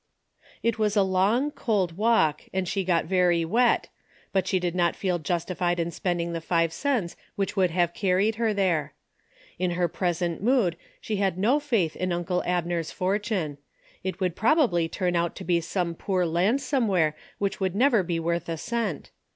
It was a long, cold walk and she got very wet, but she did not feel justified in spending the five cents which would have carried her there. In her present mood *she had no faith in uncle Abner's fortune. It would probably turn out to be some poor land somewhere which would never be worth a cent.